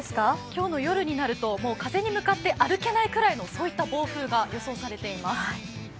今日の夜になると、風に向かって歩けないくらいの暴風が予想されています。